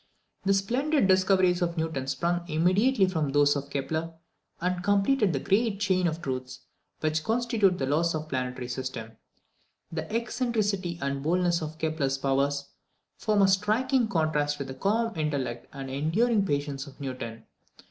The splendid discoveries of Newton sprung immediately from those of Kepler, and completed the great chain of truths which constitute the laws of the planetary system. The eccentricity and boldness of Kepler's powers form a striking contrast with the calm intellect and the enduring patience of Newton.